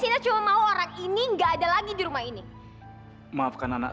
cina cuma mau orang ini enggak ada lagi di rumah ini maafkan anak